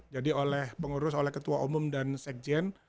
jadi oleh pengurus oleh ketua umum dan sekjen